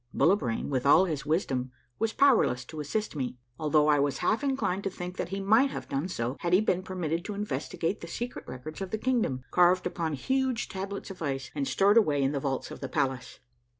Bullibrain, with all his wisdom, was powerless to assist me, although I was half inclined to think that he might have done so had he been permitted to investigate the secret records of A MARVELLOUS UNDERGROUND JOURNEY 201 the kingdom, carved upon huge tablets of ice, and stored away in the vaults of the palace.